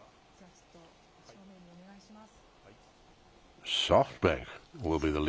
ちょっと正面にお願いします。